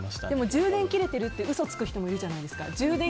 充電切れてるって嘘をつく人もいるじゃないですか。